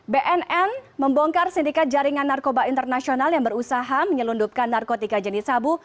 bnn membongkar sindikat jaringan narkoba internasional yang berusaha menyelundupkan narkotika jenis sabu